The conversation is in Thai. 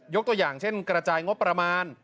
ตัวอย่างเช่นกระจายงบประมาณ